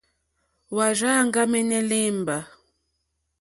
Hwá rzà áŋɡàmɛ̀nɛ̀ lěmbà.